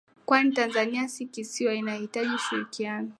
kwani Tanzania si kisiwa inahitaji ushirikiano